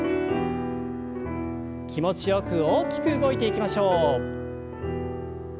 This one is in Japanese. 気持ちよく大きく動いていきましょう。